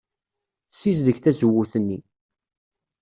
Ssizdeg tazewwut-nni.